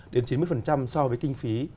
đến chín mươi so với kinh phí